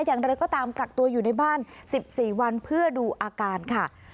อย่างไรก็ตามกักตัวอยู่ในบ้าน๑๔วันเพื่อดูอาการค่ะ